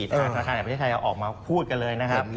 ธนาคารแห่งประเทศไทยออกมาพูดกันเลยนะครับ